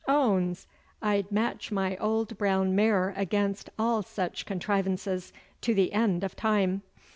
'Oons! I'd match my old brown mare against all such contrivances to the end o' time.